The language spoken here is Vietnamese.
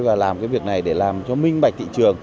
và làm cái việc này để làm cho minh bạch thị trường